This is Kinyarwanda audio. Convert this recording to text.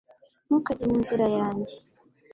ntukajye mu nzira yanjye